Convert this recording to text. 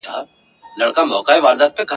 چي به پورته د غوايی سولې رمباړي !.